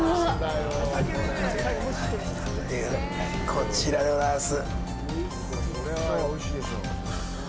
こちらでございます。